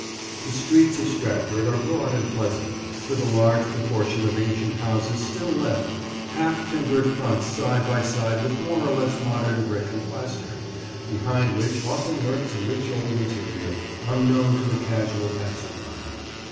The streets of Stratford are broad and pleasant, with a large proportion of ancient houses still left; half timbered fronts side by side with more or less modern brick and plaster, behind which often lurks a rich old interior, unknown to the casual passer by.